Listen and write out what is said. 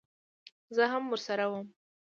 زه هم ورسره وم.